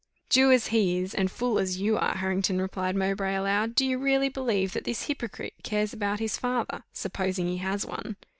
"Jew as he is, and fool as you are, Harrington," replied Mowbray, aloud, "do you really believe that this hypocrite cares about his father, supposing he has one?